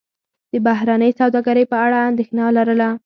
د بهرنۍ سوداګرۍ په اړه اندېښنه لرله.